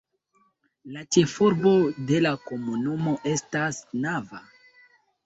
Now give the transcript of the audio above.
La ĉefurbo de la komunumo estas Nava.